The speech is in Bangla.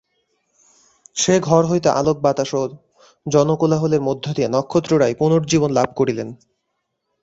সে ঘর হইতে আলোক বাতাস ও জনকোলাহলের মধ্যে গিয়া নক্ষত্ররায় পুনর্জীবন লাভ করিলেন।